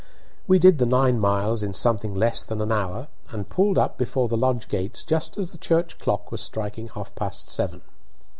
We did the nine miles in something less than an hour, and pulled up before the lodge gates just as the church clock was striking half past seven.